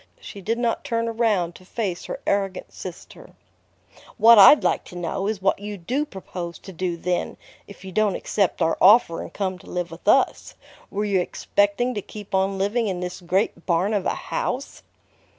She did not turn around to face her arrogant sister. "What I'd like to know is what you do propose to do, then, if you don't accept our offer and come to live with us? Were you expecting to keep on living in this great barn of a house?"